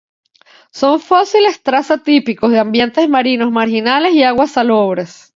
Son fósiles traza típicos de ambientes marinos marginales y aguas salobres.